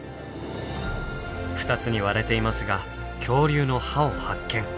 ２つに割れていますが恐竜の歯を発見。